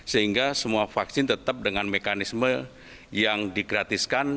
sehingga semua vaksin tetap dengan mekanisme yang di gratiskan